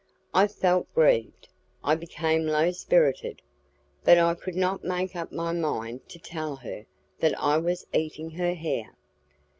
I felt grieved, I became low spirited, but I could not make up my mind to tell her that I was eating her hair!